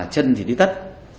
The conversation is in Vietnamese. chân thì đi tất